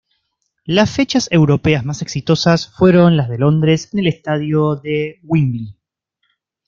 Las fechas europeas más exitosas fueron las de Londres en el Estadio de Wembley.